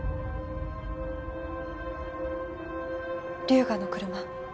龍河の車。